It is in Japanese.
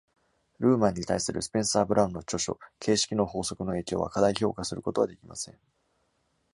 ルーマンに対するスペンサーブラウンの著書「形式の法則」の影響は、過大評価することはできません。